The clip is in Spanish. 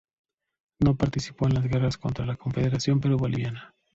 No participó en las guerras contra la Confederación Perú-Boliviana.